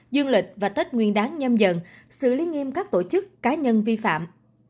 dương lịch và tết nguyên đáng nhâm dần xử lý nghiêm các tổ chức cá nhân vi phạm